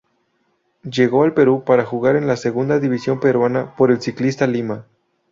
Llegó al Perú para jugar en la Segunda División peruana por el Ciclista Lima.